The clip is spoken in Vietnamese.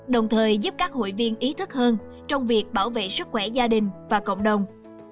đồng thời giúp các hội viên ý thức hơn trong việc bảo vệ sức khỏe gia đình và cộng đồng